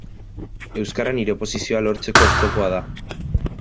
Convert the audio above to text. Euskara nire oposizioa lortzeko oztopoa da.